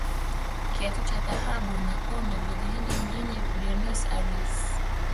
kiatu cha dhahabu na kombe vilieenda mjini benus aires